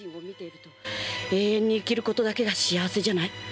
永遠に生きることがだけが幸せじゃない。